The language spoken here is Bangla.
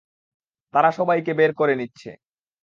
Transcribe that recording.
তারা সবাইকে বের করে নিচ্ছে।